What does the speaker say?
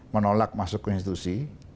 menolak masuk ke institusi